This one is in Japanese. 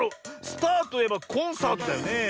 スターといえばコンサートだよねえ。